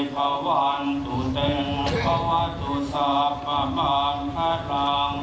ครับผมขออนุญาตเวรเชิญอย่างที่นั่งนะครับลำดับต่อจากนี้นะครับ